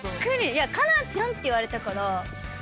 いや「カナちゃん」って言われたから。